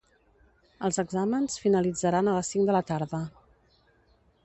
Els exàmens finalitzaran a les cinc de la tarda.